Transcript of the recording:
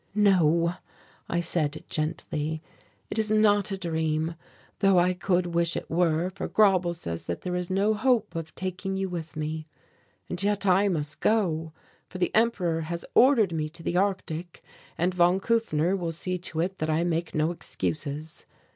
"No," I said gently, "it is not a dream, though I could wish that it were, for Grauble says that there is no hope of taking you with me; and yet I must go, for the Emperor has ordered me to the Arctic and von Kufner will see to it that I make no excuses.